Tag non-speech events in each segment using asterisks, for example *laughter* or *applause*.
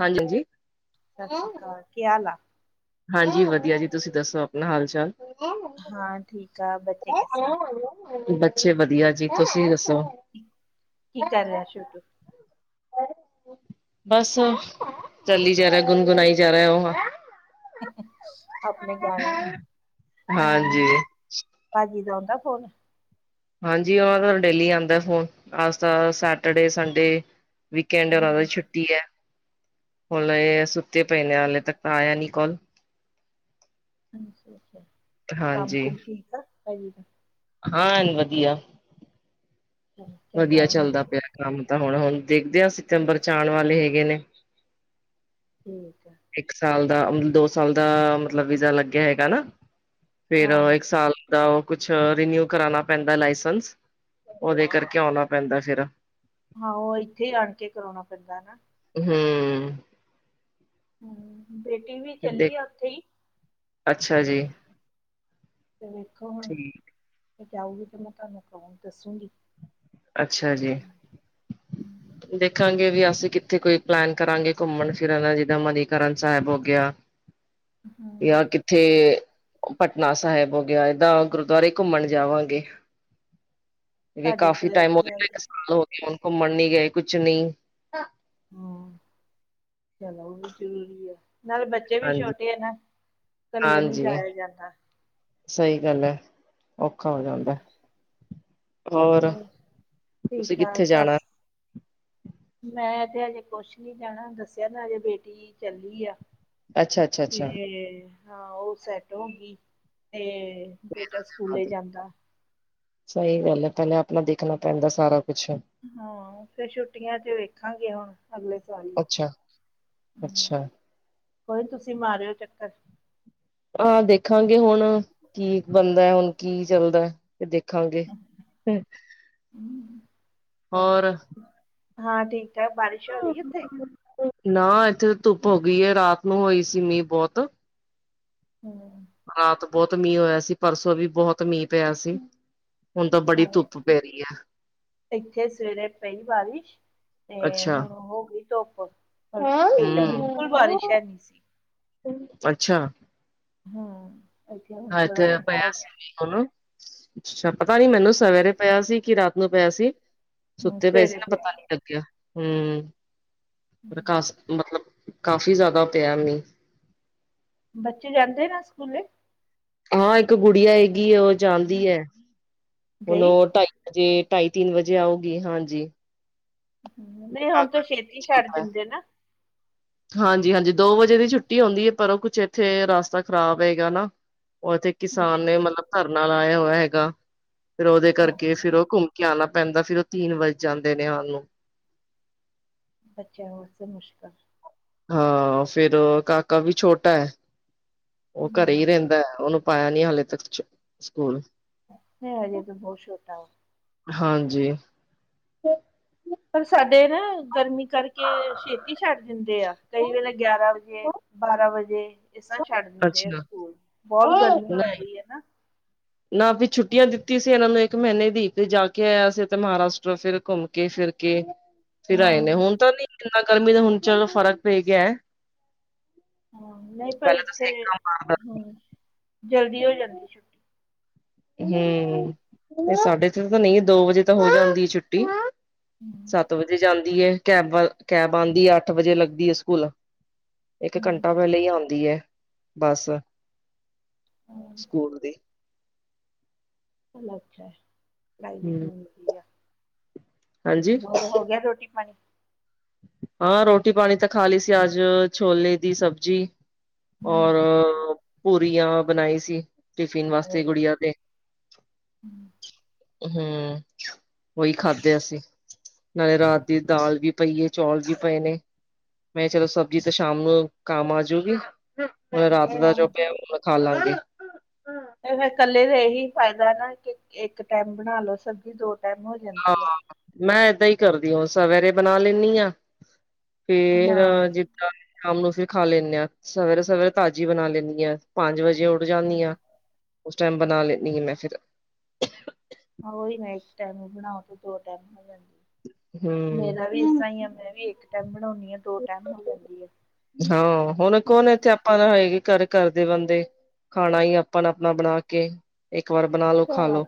ਹਾਂਜੀ ਹਾਂਜੀ। ਸਸੀਕਾਲ ਕੀ ਹਾਲ ਆ। ਹਾਂਜੀ ਵਧੀਆ ਜੀ ਤੁਸੀਂ ਦੱਸੋ ਆਪਣਾ ਹਾਲ ਚਾਲ। ਹਾਂ ਠੀਕ ਆ ਬੱਚੇ ਕਿਸ ਤਰ੍ਹਾਂ ਬੱਚੇ ਵਧੀਆ ਜੀ ਤੁਸੀਂ ਦੱਸੋ। ਕੀ ਕਰ ਰਿਐ ਸ਼ੁੱਭ। ਬਸ ਚਲੀ ਜਾ ਰਿਆ ਗੁਨਗੁਣਾਈ ਜਾ ਰਿਆ ਓ ਹਾਂ। ਆਪਣੇ ਗਾਣੇ ਅ ਹਾਂਜੀ, ਭਾਜੀ ਜੀ ਦਾ ਆਉਦਾ ਫੋਨ। ਹਾਂਜੀ ਉਹ ਦਾ ਡੇਲੀ ਆਉਦਾ ਫੋਨ ਅਜ ਤਾਂ ਸੈਟਰਡੇ ਸੰਡੇ ਵੀਕਐਂਡ ਓਨਾ ਦੀ ਹਾਂ ਛੁਟੀ ਹੈ। ਹੁਣ ਇਹ ਸੁੱਤੇ ਪਏ ਨੇ ਹਾਲਲੇ ਤੱਕ ਤਾਂ ਆਇਆ ਨੀ ਕਾੱਲ। ਅਛ ਅਛਾ ਕੰਮ ਹਾਂਜੀ, ਕੁਮ ਠੀਕ ਆ ਹੈ। ਹਾਂ ਵਧੀਆ। ਚਲੋ ਚੰਗਾ ਵਧੀਆ ਹੋਣਾ ਚੱਲਦਾ ਪਿਆ ਚਾਹੀਦਾ ਕੰਮ ਤਾਂ ਹੁਣ ਹੁਣ ਦੇਖਦੇ ਹ ਸਿਤੰਬਰ ਚ ਆਉਣ ਵਾਲੇ ਹੈਗੇ ਨੇ। ਠੀਕ ਹੈ। ਇੱਕ ਸਾਲ ਦਾ ਮਤ ਦੋ ਸਾਲ ਦਾ ਮਤਲਬ ਵੀਜ਼ਾ ਲੱਗਿਆ ਹੈਗਾ ਨਾ। ਫੇਰ ਹਾਂ ਇੱਕ ਸਾਲ ਦਾ ਓ ਕੁੱਛ ਰਿਨਿਊ ਕਰਾਣਾ ਪੈਂਦਾ ਲਾਇਸੈਂਸ। ਦੇ ਕਰਕੇ ਆਉਣਾ ਪੈਂਦਾ ਫਿਰ। ਹਾਂ ਓ ਇੱਥੇ ਈ ਆਣ ਕੇ ਕਰਾਓਣਾ ਪੈਂਦਾ ਨਾ। ਹੂੰ। ਹੂੰ ਬੇਟੀ ਵੀ ਦੇਖ ਚੱਲੀ ਆ ਓਥੇ ਈ। ਅੱਛਾ ਜੀ ਤੇ ਵੇਖੋ ਹੁਣ ਠੀਕ ਮ ਜਾਊਗੀ ਤੇ ਮੈਂ ਤੁਹਾਨੂੰ ਕੌਣ ਦੱਸੂਗੀ। ਅੱਛਾ ਜੀ। ਹੂੰ। ਦੇਖਾਂਗੇ ਵੀ ਅਸੀਂ ਕਿੱਥੇ ਕੋਈ ਪਲੈਨ ਕਰਾਂਗੇ ਘੁੰਮਣ ਫਿਰਨ ਜਿੱਦਾਂ ਮਨੀਕਰਨ ਸੈਬ ਹੋ ਗਿਆ। ਹਮ, ਯਾਰ ਕਿ ਇਥੇ ਪਟਨਾ ਸਾਹਿਬ ਹੋ ਗਿਆ ਏਦਾਂ ਗੁਰਦੁਆਰੇ ਘੁੰਮਣ ਜਾਵਾਂਗੇ। *inaudible* ਕਿਉਕ ਸਾਡੇ ਕਾਫੀ ਤੇ ਟਾਈਮ ਹੋਗੲ ਕਾਫੀ ਟਾਈਮ ਹੋ ਗਿਆ ਘੁੰਮਣ ਨਹੀ ਗਏ ਕੁਛ ਨਹੀ। ਹਮ ਚਲੋ ਉਵੀ ਜ਼ਰੂਰੀ ਹੈ। ਨਾਲੇ ਬੱਚੇ। ਬੱਚੇ ਵੀ ਹਾਂਜੀ ਛੋਟੇ ਆ ਨਾ ਇਕੱਲੇ ਨੀ ਹਾਂਜੀ ਜਾਇਆ ਜਾਂਦਾ। ਸਹੀ ਗੱਲ ਹੈ। ਔਖਾ ਹੋ ਜਾਂਦਾ। ਹੋਰ ਠੀਕ ਤੁਸੀ ਕਿਥੇ ਠਾਕ ਜਾਣਾ। ਸੱਸ ਮੈਂ ਤੇ ਹਜੇ ਕੁਛ ਨੀ ਜਾਣਾ ਦੱਸਿਆ ਨਾ ਹਜੇ ਬੇਟੀ ਚੱਲੀ ਆ ਅੱਛਾ-ਅੱਛਾ-ਅੱਛਾ ਤੇ ਹਾਂ ਉਹ ਸੈਟ ਹੋ ਗੀ ਤੇ ਬੇਟਾ ਸਕੂਲੇ ਜਾਂਦਾ ਸਹੀ ਗੱਲ ਹੈ ਪਹਲੇ ਆਪਣਾ ਦੇਖਣਾ ਪੈਂਦਾ ਸਾਰਾ ਕੁਛ ਹਾਂ ਫਿਰ ਛੁੱਟੀਆਂ ਚ ਵੇਖਾਂਗੇ ਹੁਣ ਅਗਲੇ ਸਾਲ ਇ ਅਛਾ। ਕੋਈ ਨੀ ਤੁਸੀ ਮਾਰਿਓ ਚੱਕਰ ਹਾਂ ਦੇਖਾਂਗੇ ਹੁਣ ਕੀ ਬਣਦਾ ਹੁਣ ਕੀ ਚੱਲਦਾ। ਦੇਖਾਂਗੇ ਫੇਰ, ਚਲੋ ਹੋਰ? ਹਾਂ ਠੀਕ - ਠਾਕ ਬਾਰਿਸ਼ ਹੋ ਰਹੀ ਉੱਥੇ ਨਾ ਇਥੇ ਤਾਂ ਧੁੱਪ ਹੋ ਗਈ ਹੈ, ਰਾਤ ਨੂੰ ਹੋਈ ਸੀ ਮੀਂਹ ਬਹੁਤ *inaudible* ਰਾਤ ਬਹੁਤ ਮੀਂਹ ਹੋਇਆ ਸੀ ਪਰਸੋ ਵੀ ਬਹੁਤ ਮੀਂਹ ਪਿਆ ਸੀ। ਹੁਣ ਤਾਂ ਬੜੀ ਧੁੱਪ ਪੈ ਰਹੀ ਹੈ। ਇਥੇ ਸਵੇਰੇ ਪਈ ਬਾਰਿਸ਼ ਤੇ ਅੱਛਾ ਹੁਣ ਹੋ ਗਈ ਧੁੱਪ ਪਰ ਇੱਥੇ ਬਿਲਕੁਲ ਬਾਰਿਸ਼ ਹੈ ਨੀ ਸੀ। ਅਛਾ। ਹੂੰ ਇਥੇ ਹੁਣ ਥੋੜਾ ਠੰਡਾ ਹੋ ਗਿਆ। *unintelligible* ਅਛਾ ਪਤਾ ਨੀ ਮੈਨੂੰ ਸਵੇਰੇ ਪਿਆ ਸੀ ਕਿ ਰਾਤ ਨੂੰ ਪਿਆ ਸੀ। ਹੂੰ ਸੁੱਤੇ ਪਏ ਸੀ ਸਵੇਰੇ ਨਾ ਪਿਆ ਪਤਾ ਨੀ ਲਗਿਆ, ਹੂ। *unintelligible* ਮਤਲਬ ਕਾਫੀ ਜਾਦਾ ਪਯਾ ਮੀਹ ਬੱਚੇ ਜਾਂਦੇ ਨਾ ਸਕੂਲੇ? ਹਾਂ ਇੱਕ ਗੁੜੀਆ ਹੈਗੀ ਉਹ ਜਾਂਦੀ ਹੈ। ਹੁਣ ਗਈ ਉਹ ਢਾਈ ਜੇ ਢਾਈ ਤਿੰਨ ਵਜੇ ਆਉਗੀ ਹਾਂਜੀ ਨਹੀ ਬੇਟਾ ਹੁਣ ਤ ਛੇਤੀ ਛੱਡ ਦਿੰਦੇ ਨਾ? ਹਾਂਜੀ-ਹਾਂਜੀ ਦੋ ਵਜੇ ਦੀ ਛੁੱਟੀ ਹੁੰਦੀ ਹਏ, ਪਰ ਉਹ ਕੁਛ ਇੱਥੇ ਰਸਤਾ ਖ਼ਰਾਬ ਹੈਗਾ ਨਾ ਉਥੇ ਕਿਸਾਨ ਅੱਛਾ ਨੇ ਅੱਛਾ ਮਤਲਬ ਧਰਨਾ ਲਾਇਆ ਹੋਇਆ ਹੈਗਾ, ਫਿਰ ਉਹਦੇ ਕਰਕੇ ਓਹੋ, ਫਿਰ ਉਹ ਘੁੰਮ ਲਯਾਨਾ ਪੈਂਦਾ ਸੀ, ਫੇਰ ਉਹ ਤਿੰਨ ਵੱਜ ਜਾਂਦੇ ਨੇ ਆਨ ਨੂੰ। ਬੱਚਿਆਂ ਵਾਸਤੇ ਮੁਸ਼ਕਿਲ ਹਾਂ ਫੇਰ ਔਹ ਕਾਕਾ ਵੀ ਛੋਟਾ ਉਹ ਘਰੇ ਈ ਹਮ, ਰਹਿੰਦਾ ਉਹਨੂੰ ਪਾਯਾ ਨੀ ਹਾਲੇ ਤੱਕ *unintelligible* ਸਕੂਲ ਹੈ ਹਜੇ ਤਾਂ ਬਹੁਤ ਛੋਟਾ ਵਾ। ਹਾਂਜੀ- ਪਰ ਸਾਡੇ ਨਾ ਗਰਮੀ ਕਰਕੇ ਛੇਤੀ ਛੱਡ ਦਿੰਦੇ ਆ ਕਈ ਵੇਲੇ ਗਿਆਰਾਂ ਵਜੇ ਬਾਰਾਂ ਵਜੇ ਇਸ ਤਰਾਂ ਛੱਡ ਦਿੰਦੇ ਆ ਅੱਛਾ ਸਕੂਲ ਬਹੁਤ ਗਰਮੀ ਪੈ ਰਹੀ ਏ ਨਾ। ਨਾ ਵਿਚ ਛੁੱਟੀਆਂ ਦਿੱਤੀ ਸੀ ਇਹਨਾਂ ਨੂੰ ਇਕ ਮਹੀਨੇ ਦੀ ਤੇ ਜਾ ਕੇ ਆਇਆ ਸੀ ਉਤੇ ਮਹਾਰਾਸ਼ਟਰ ਫਿਰ ਘੁੰਮ ਕੇ ਫਿਰ ਕੇ ਫਿਰ ਹਾਂ ਆਏ ਨੇ ਹੁਣ ਤਾਂ ਨਹੀ ਇੰਨਾ ਗਰਮੀ ਦਾ ਹੁਣ ਚਲੋ ਫ਼ਰਕ ਪੈ ਗਯਾ। ਹਾਂ ਨਹੀ ਪਰ ਇਥੇ ਮਾਰਦਾ ਹੂੰ ਜਲਦੀ ਹੋ ਜਾਂਦੀ ਛੁੱਟੀ ਇੱਥੇ ਹੂੰ ਤੇ ਸਾਡੇ ਇਥੇ ਤਾਂ ਨਹੀ ਦੋ ਵਜੇ ਤਾਂ ਹੋ ਜਾਂਦੀ ਏ ਛੁੱਟੀ ਹੂੰ ਸੱਤ ਵਜੇ ਜਾਂਦੀ ਏ ਕੈਬ ਵਾਲ ਕੈਬ ਆਂਦੀ ਏ ਅੱਠ ਵਜੇ ਲੱਗਦੀ ਏ ਸਕੂਲ ਇੱਕ ਹਮ। ਘੰਟਾ ਲਿਆਂਦੀ ਹੈ ਬਸ ਹਮ ਸਕੂਲ ਦੀ। ਚਲੋ ਅੱਛਾ ਹੈ ਪੜਾਈ ਵੀ ਹੂੰ ਜ਼ਰੂਰੀ ਆ। ਹਾਂਜੀ ਹੋ ਗਿਆ ਰੋਟੀ- ਪਾਣੀ? ਹਾਂ ਰੋਟੀ ਪਾਣੀ ਤਾਂ ਖਾ ਲਈ ਸੀ, ਅੱਜ ਛੋਲੇ ਦੀ ਸਬਜ਼ੀ ਹਮ, ਔਰ ਪੂਰੀਆਂ ਬਣਾਈ ਸੀ। ਟਿਫਿਨ ਅਰੇ ਵਾਸਤੇ ਵਾਹ। ਗੁੜੀਆਂ ਦੇ ਹਮ, ਹੂੰ ਉਹੀ ਖਾਧੇ ਅਸੀ, ਨਾਲੇ ਰਾਤ ਦੀ ਦਾਲ ਵੀ ਪਈ ਏ ਚੌਲ ਵੀ ਪਏ ਨੇ। ਮੈਂ ਚਲੋ ਸਬਜ਼ੀ ਤਾਂ ਸ਼ਾਮ ਨੂੰ ਕੰਮ ਆ ਜਾਉਗੀ। ਹੋਰ ਰਾਤ ਦਾ ਜੋ ਹਾਂ ਪਿਆ ਹੁਣ ਮੈ ਖਾ ਲਾਂਗੀ। ਫੇਰ ਇਕੱਲੇ ਦਾ ਇਹੀ ਫਾਇਦਾ ਨਾ ਕਿ ਇੱਕ ਟੈਮ ਬਣਾ ਲੋ ਸਬਜ਼ੀ, ਦੋ ਟਾਈਮ ਹੋ। ਹਾਂ, ਜਾਂਦੀ ਆ ਮੈਂ ਏਦਾਂ ਹੀ ਕਰਦੀ ਹਾਂ, ਸਵੇਰੇ ਬਣਾ ਲੈਨੀ ਆ। ਫੇਰ ਹਾਂ ਜੇ। ਸ਼ਾਮ ਨੂੰ ਅਸੀ ਖਾ ਲੈਂਣੇ ਹਾਂ। ਸਵੇਰੇ- ਸਵੇਰੇ ਤਾਜ਼ੀ ਬਣਾ ਲੈਂਣੀ ਆ। ਪੰਜ ਵਜੇ ੳਠ ਉਠ ਜਾਂਨੀ ਹਾਂ, ਉਸ ਟਾਈਮ ਬਣਾ ਲੈਨੀ ਹਾਂ ਮੈਂ ਫਿਰ। ਉਹੀ ਇੱਕ ਟਾਈਮ ਬਣਾਓ ਤੇ ਦੋ ਟਾਈਮ ਹੋ ਜਾਂਦੀ। ਹੂੰ ਮੇਰਾ ਵੀ ਤਾਂਈ ਮੈਂ ਵੀ ਇੱਕ ਟਾਈਮ ਬਣਾਉਦੀ ਆ, ਦੋ ਟਾਈਮ ਹੋ ਜਾਂਦੀ ਏ। ਹਾਂ ਹੁਣ ਕੋਣ ਏਥੇ ਅ। ਆਪਾਂ ਤਾਂ ਹੈਗੀ ਘਰ, ਘਰ ਦੇ ਬੰਦੇ। ਖਾਣਾ ਹੀ ਆਪਾਂ ਅਪਣਾ ਬਣਾ ਕੇ। ਇੱਕ ਵਾਰ ਬਣਾ ਲੋ, ਖਾ ਹਾਂ ਲੋ।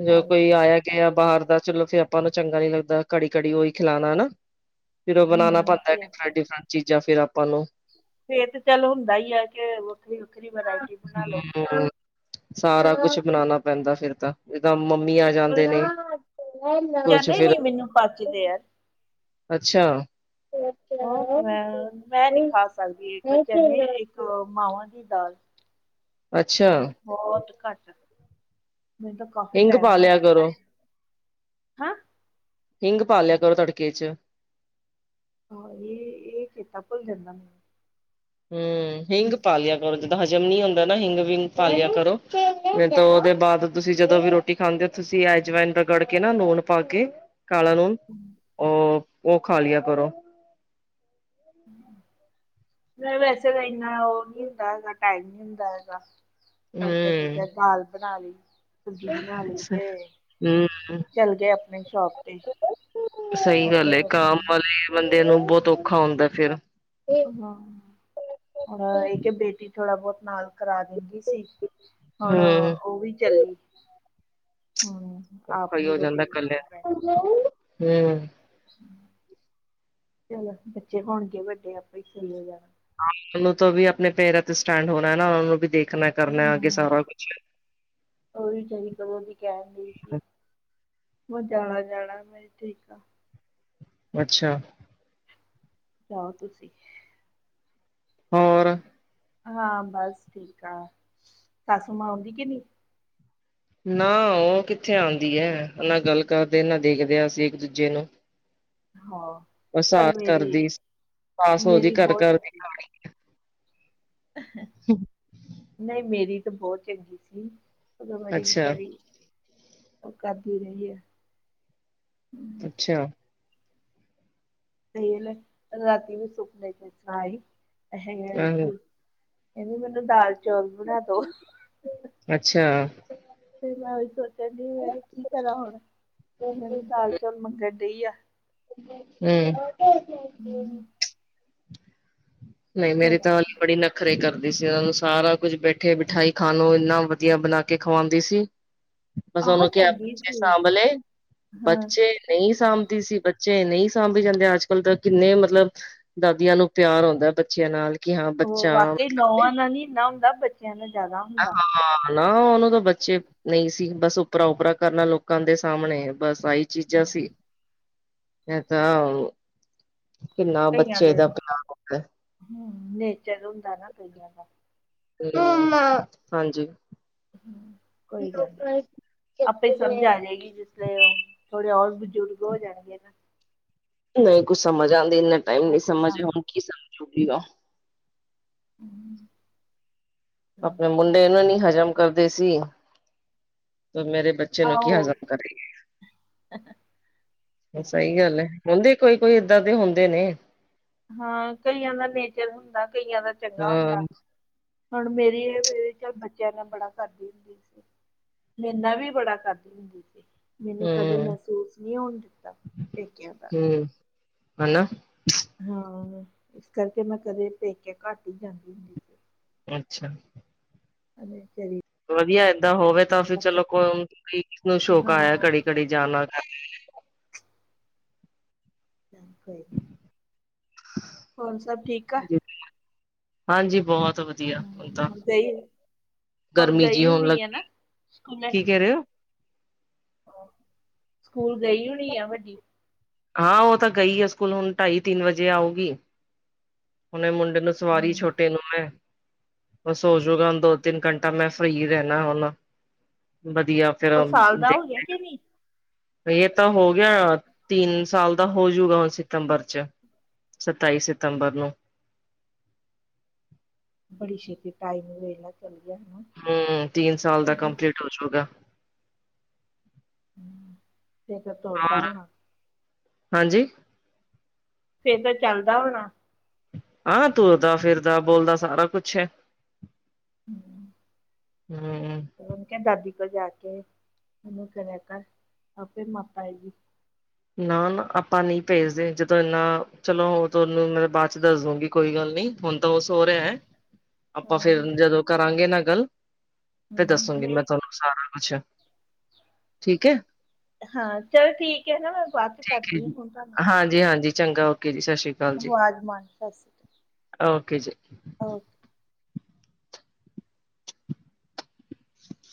ਜਦੋਂ ਕੋਈ ਆਇਆ ਗਿਆ ਬਾਹਰ ਦਾ, ਚਲੋ ਫੇਰ ਆਪਾਂ ਨੂੰ ਚੰਗਾ ਨੀ ਲੱਗਦਾ ਘੜੀ- ਘੜੀ ਉਹੀ ਖਿਲਾਉਣਾ। ਹੈਨਾ। ਫੇਰ ਉਹ ਬਣਾਉਣਾ ਹਮ ਬਨਦਾ, ਫੇਰ ਡਿਫਰੈਂਟ- ਡਿਫਰੈਂਟ ਚੀਜ਼ਾਂ ਫੇਰ ਆਪਾਂ ਨੂੰ। ਫੇਰ ਤੇ ਚੱਲ ਹੁੰਦਾ ਹੀ ਹੈ ਕੇ। ਮੇਰੀ ਵੱਖਰੀ ਬਣਾਈ। ਫਿਰ ਸਾਰਾ ਕੁਛ ਬਣਾਉਣਾ ਪੈਂਦਾ ਫਿਰ ਤਾਂ। ਜਿਦਾ ਮੰਮੀ ਆ ਪਰ ਜਾਂਦੇ ਨੇ, ਕੁਛ ਫਿਰ। ਭਜਦੇ ਆ। ਅੱਛਾ। ਉਹ ਮੈਂ, ਮੈਂ ਨਹੀਂ ਖਾ ਸਕਦੀ ਇੱਕ ਚਟਨੀ ਇੱਕ। ਮਾਵਾਂ ਦੀ ਦਾਲ, ਅੱਛਾ ਬਹੁਤ ਘੱਟ ਮੈਨੂੰ ਤਾਂ। ਕਾਫੀ ਹਿੰਗ ਟਾਈਮ ਪਾ ਲਿਆ ਹੋਇਆ ਕਰੋ ਬਣਾਏ। ਹਿੰਗ ਪਾ ਲਿਆ ਕਰੋ ਤੜਕੇ ਚ। ਹਾਂ ਇਹ ਇਹ ਚੇਤਾ ਭੁੱਲ ਜਾਂਦਾ ਮ। ਹਮ ਹਿੰਗ ਪਾ ਲਿਆ। ਜਿੱਦਾਂ ਹਜ਼ਮ ਨੀ ਹੁੰਂਦਾ ਨਾ ਹਿੰਗ ਵਿੰਗ ਪਾ ਲਿਆ ਕਰੋ ਫਿਰ ਤਾਂ ਉਹਦੇ ਬਾਅਦ ਤੁਸੀਂ ਜਦੋਂ ਵੀ ਰੋਟੀ। ਰੋਟੀ ਖਾਂਦੇ ਹੋ ਤੁਸੀਂ ਐਜਵਾਇਨ ਰਗੜ ਕੇ ਨਾ ਲੂਣ ਪਾ ਕੇ ਕਾਲਾ ਨੂਨ। ਹਮ। ਉਹ ਉਹ ਖਾ ਲਿਆ ਕਰੋ। ਹਮ। ਮੈ ਵੈਸੇ ਤਾਂ ਇੰਨਾ ਉਹ ਨਹੀਂ ਹੁੰਦਾ ਇਨਾ ਟਾਈਮ ਨਹੀਂ ਹੁੰਦਾ ਹੈਗਾ। ਤੜਕੇ- ਤੜਕੇ ਹੂੰ ਦਾਲ ਬਣਾ ਲਈ। ਸਬਜ਼ੀ ਬਣਾ ਲਈ ਤੇ ਹੂੰ ਚੱਲ ਗਏ ਅਪਣੇ ਸ਼ੋਪ ਤੇ। ਸਹੀ ਉੱਥੇ ਗੱਲ ਏ। ਹੀ ਆਪਣਾ- ਕਾਮ ਵਾਲੇ ਬੰਦੇ ਨੂੰ ਬਹੁਤ ਔਖਾ ਹੁੰਦਾ ਫੇਰ। ਹਾਂ, ਏ ਆ ਕੇ ਬੇਟੀ ਥੋੜਾ ਬਹੁਤ ਨਾਲ। ਕਰਾ ਦਿੰਦੀ ਸੀ, ਹੁਣ ਹੂੰ ਉਹ ਵੀ ਚੱਲੀ ਹੂੰ। ਔਖਾ ਹੀ ਹੋ ਜਾਂਦਾ ਕੱਲੇ ਹੂੰ। ਚਲੋ, ਬੱਚੇ ਹੋਣਗੇ ਵੱਡੇ ਆਪੇ ਸਹੀ ਹੋ ਜਾਨਾ। ਹਾਂ ਮੈਨੂੰ ਤਾਂ ਵੀ ਆਪਣੇ ਪੈਰਾਂ ਤੇ ਸਟੈਂਡ ਹੋਣਾ ਨਾ ਉਹਨੂੰ ਵੀ ਦੇਖਣਾ। ਕਰਨਾ ਅੱਗੇ ਹੂੰ ਸਾਰਾ ਕੁਛ ਉਹ ਵਿਚਾਰੀ ਕਦੋਂ ਦੀ ਕਹਿਣ ਡਈ ਸੀ। ਮੈਂ ਜਾਣਾ- ਜਾਣਾ, ਮੈਂ ਠੀਕ ਆ। ਅੱਛਾ। ਜਾਓ ਤੁਸੀਂ। ਹੋਰ। ਹਾਂ ਬਸ ਠੀਕ ਆ ਸਸੁ ਮਾਂ ਆਉਂਦੀ ਕਿ ਨਹੀ? ਨਾ ਉਹ ਕਿੱਥੇ ਆਉਂਦੀ ਹੈ ਨਾ ਗੱਲ ਕਰਦੇ ਨਾ ਦੇਖਦੇ ਆ ਅਸੀਂ ਇੱਕ ਦੂਜੇ ਨੂੰ। ਹਾਂ ਬਸ ਪਰ ਆਸ ਕਰਦੀ ਮੇਰੀ ਆਸ ਉਹਦੀ ਮੇਰੀ ਕਰ ਬਹੁਤ ਕਰਦੀ ਚੰਗੀ। ਸੀ ਨਹੀਂ, ਮੇਰੀ ਤਾਂ ਬਹੁਤ ਚੰਗੀ ਸੀ। ਉਦੋਂ ਬੜੀ ਅੱਛਾ ਵਿਚਾਰੀ ਉਹ ਕਰਦੀ ਰਹੀ ਆ ਹੂੰ। ਅੱਛਾ ਤੇਲ, ਰਾਤੀ ਵੀ ਸੁੱਕਨ ਕੇ ਸਣਾਈ ਆਹੋ ਇਹਦੀ ਮੈਨੂੰ ਦਾਲ ਚੌਲ ਬਣਾ ਦੋ। ਅੱਛਾ ਫਿਰ ਮੈਂ ਉਹੀ ਸੋਚਿਆ ਡਈ ਆ ਕੀ ਕਰਾਂ ਹੁਣ ਮੈਂ ਦਾਲ ਚੌਲ ਮੰਗਣ ਡਈ ਆ। ਹੂੰ ਹੂੰ ਨਹੀਂ ਮੇਰੀ ਚਲੋ ਤਾਂ ਹਲੀ ਬੜੀ ਨ ਖਰੇ ਕਰਦੀ ਸੀ ਉਹਨਾਂ ਨੂੰ ਸਾਰਾ ਕੁੱਝ ਬੈਠੇ ਬਿਠਾਈ ਖਾਣ ਨੂੰ ਇੰਨਾ ਵਧੀਆ ਬਣਾ ਕੇ ਖਵਾਉਂਦੀ ਸੀ। *inaudible* ਬਸ ਉਹਨੂੰ ਕਿਹਾ ਚੰਗੀ ਬੱਚੇ ਸੀ ਸਾਂਭ ਲੈ, ਹਾਂ ਬੱਚੇ ਨਹੀਂ ਸਾਂਭਦੀ ਸੀ ਬੱਚੇ ਨਹੀਂ ਸਾਂਭੀ ਜਾਂਦੇ ਅੱਜ ਕੱਲ ਤਾਂ ਕਿੰਨੇ ਮਤਲਬ ਦਾਦੀਆਂ ਨੂੰ ਪਿਆਰ ਆਉਂਦਾ ਬੱਚਿਆਂ ਨਾਲ। ਕਿ ਹਾਂ ਉਹ ਬੱਚਾ ਵਾਕਈ ਮਤਲਬ ਹਾਂ ਨੌਵਾਂ ਨਾਲ ਨੀ ਇੰਨਾ ਹੁੰਦਾ ਬੱਚਿਆਂ ਨਾਲ ਜ਼ਿਆਦਾ ਹੁੰਦਾ ਨਾ ਉਹਨੂੰ ਤਾਂ ਬੱਚੇ ਨਹੀਂ ਸੀ ਬਸ ਉੱਪਰਾ ਉਪਰਾ ਕਰਨਾ ਲੋਕਾਂ ਦੇ ਸਾਹਮਣੇ ਬਸ ਆਈ ਚੀਜਾਂ ਸੀ। ਇਹ ਤਾਂ ਕਿੰਨਾ ਕਈਆਂ ਬੱਚੇ ਦਾ, ਪਿਆਰ ਹੂੰ ਨੇਚਰ ਹੁੰਦਾ ਨਾ ਕਈਆਂ ਦਾ। ਮੰਮਾ ਹਾਂਜੀ ਹੂੰ ਕੋਈ ਗੱਲ ਨੀ, ਆਪੇ ਸਮਝ ਆ ਜਾਏਗੀ ਜ ਦੇ ਓ ਥੋੜੇ ਹੋਰ ਬਜ਼ੁਰਗ ਹੋ ਜਾਣਗੇ ਨਾ। ਨਹੀਂ ਕੁਛ ਸਮਝ ਆਉਂਦੇ ਇੰਨਾ ਟਾਈਮ ਨਹੀਂ ਆਪੇ ਸਮਝ ਸਮਝਿਆ ਹੁਣ ਕੀ ਸਮਝ ਸਮਜੋ ਗੀਗਾ। ਹੂੰ ਆਪਣੇ ਮੁੰਡੇ ਇਹਨੂੰ ਨੀ ਹਜ਼ਮ ਕਰਦੇ ਸੀ, ਤੇ ਮੇਰੇ ਬੱਚੇ ਚਿਆ ਨੂੰ ਕੀ ਆਓ ਹਜ਼ਮ ਕਰੇਗੀ। ਚਲੋ ਕੋਈ ਸਹੀ ਗੱਲ ਨੀ। ਏ। ਹੁੰਦੇ ਕੋਈ-ਕੋਈ ਏਦਾਂ ਦੇ ਹੁੰਦੇ ਨੇ। ਹਾਂ ਕਈਆਂ ਦਾ ਨੇਚਰ ਹੁੰਦਾ ਕਈਆਂ ਦਾ ਚੰਗਾ ਹਾਂ ਹੁੰਦਾ। ਹਮ ਹੁਣ ਮੇਰੀ ਇਹ *unintelligible* ਚੱਲ ਬੱਚਿਆਂ ਨਾਲ ਬੜਾ ਕਰਦੀ ਹੁੰਦੀ ਸੀ। ਮੇਰਾ ਨਾ ਵੀ ਬੜਾ ਕਰਦੀ ਹੁੰਦੀ ਸੀ। ਮੈਨੂੰ ਕਦੇ ਮਹਿਸੂਸ ਨੀ ਹੋਣ ਦਿੱਤਾ ਪੇਕਿਆ ਦਾ। ਹਮ ਹਨਾ ਹਾਂ ਇਸ ਕਰਕੇ ਮੈਂ ਕਦੇ ਪੇਕੇ ਘੱਟ ਹੀ ਜਾਂਦੀ ਹੁੰਦੀ ਸੀ। ਅੱਛਾ। ਅਰੇ ਤੇਰੀ ਵਧੀਆ ਏਦਾਂ ਹੋਵੇ ਤਾਂ ਫਿਰ ਚਲੋ ਕੋਈ ਇੱਕ ਨੂੰ ਸ਼ੌਕ ਆਇਆ ਹਾਂ ਘੜੀ-ਘੜੀ ਜਾਣਾ। ਬਿਲਕੁਲ *unintelligible* ਹੋਰ ਸਭ ਠੀਕ ਆ? ਹਾਂਜੀ ਬਹੁਤ ਵ ਵਧੀਆ ਹੁਣ ਤਾਂ, ਹੁਣ ਗਰਮੀ ਜੀ ਗਈ ਹੋਣ ਲੱਗ ਹੋਣੀ ਆ ਨਾ ਰਹੀ। ਸਕੂਲੇ ਕੀ ਕਹਿ ਰਹੇ ਹੋ? ਸਕੂਲ ਗਈ ਹੋਣੀ ਆ ਵੱਡੀ? ਹਾਂ ਉਹ ਤਾਂ ਗਈ ਆ ਸਕੂਲ ਹੁਣ ਢਾਈ-ਤਿੰਨ ਵਜੇ ਆਊਗੀ। ਹੁਨੇ ਮੁੰਡੇ ਨੂੰ ਸਵਾ ਰਹੀ ਹੂੰ, ਛੋਟੇ ਨੂੰ ਮੈਂ। ਉਹ ਸੋ ਜੂਗਾ ਹੁਣ ਦੋ-ਤਿੰਨ ਘੰਟਾ ਮੈਂ ਫਰੀ ਰਹਿਣਾ ਹੁਣ, ਵਧੀਆ। ਫੇਰ ਉਹ ਸਾਲ ਦਾ ਦੇਖ, ਹੋ ਗਿਆ ਕਿ ਨਹੀ? ਇਹ ਤਾਂ ਹੋ ਗਿਆ ਤਿੰਨ ਸਾਲ ਦਾ ਹੋਜੂਗਾ ਹੁਣ ਸਤੰਬਰ 'ਚ। ਸਤਾਈ ਸਿਤੰਬਰ ਨੂੰ। ਬੜੀ ਛੇਤੀ ਟਾਈਮ ਵੇਲਾ ਚੱਲ ਗਿਆ ਨਾ। ਹੂੰ ਤੀਨ ਸਾਲ ਦਾ ਕੰਪਲੀਟ ਹੋਜੂਗਾ। ਤੇ ਕਰ ਤੁਰਦਾ ਹੋਰ ਹੋਣਾ। ਹਾਂਜੀ? ਫੇਰ ਤਾਂ ਚੱਲਦਾ ਹੋਣਾ। ਹਾਂ ਤੁਰਦਾ ਫਿਰਦਾ ਬੋਲਦਾ ਸਾਰਾ ਕੁਛ ਹੈ। ਹਮ। ਹਮਮ। ਉਹਕੇ ਦਾਦੀ ਕੋ ਜਾ ਕੇ ਉਹਨੂੰ ਕਿਹਾ ਕਰ ਆਪ ਫਿਰ ਮਤ ਆਏਗੀ। ਨਾ ਨਾ ਆਪਾਂ ਨਹੀਂ ਭੇਜਦੇ ਜਦੋਂ ਇੰਨਾ ਚਲੋ ਉਹ ਤੁ ਉਹਨੂੰ ਮੈਂ ਬਾਅਦ 'ਚ ਦੱਸ ਦੂਗੀ। ਕੋਈ ਗੱਲ ਨਿ ਹੁਣ ਤਾਂ ਸੋ ਹੋ ਰਿਹਾ ਹੈਂ। ਹ। ਆਪਾਂ ਫੇਰ ਜਦੋਂ ਕਰਾਂਗੇ ਨਾ ਗੱਲ ਤੇ ਹਮ ਦੱਸਾਗੀ ਨਹੀਂ ਮੈਂ ਤੁਹਾਨੂੰ। ਸਾਰਾ ਕੁਛ ਹੈ ਠੀਕ ਹੈ। ਹਾਂ ਚਲੋ ਠੀਕ ਹੈ ਨਾ ਮੈਂ ਬਾਅਦ 'ਚ ਕਰਦੀ ਹ ਹੁਣ ਤੁਹਾਨੂੰ। ਜੀ ਹਾਂਜੀ ਚੰਗਾ ਓਕੇ ਜੀ ਸਤਿ ਸ਼੍ਰੀ ਅਕਾਲ ਜੀ ਆਵਾਜ਼ ਮਾਰ ਸਤਿ ਸ਼੍ਰੀ ਓਕੇ ਜੀ। ਅਕਾਲ ਓਕੇ ਸਸ।